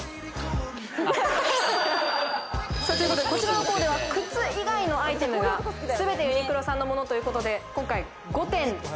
こちらのコーデは靴以外のアイテムはすべてユニクロさんのものということで今回５点。